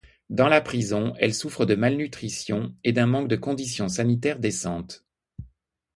Dans la prison, elle souffre de malnutrition et d'un manque de conditions sanitaires décentes.